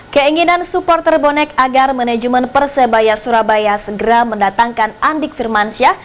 keinginan supporter bonek agar manajemen persebaya surabaya segera mendatangkan andik firmansyah